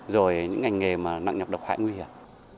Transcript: rồi những ngành nghề mà nặng nhập độc hại nguy hiểm